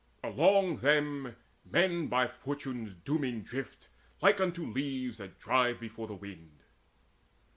Along them men by Fortune's dooming drift Like unto leaves that drive before the wind.